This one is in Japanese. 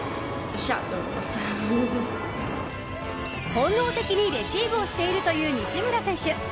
本能的にレシーブをしているという西村選手。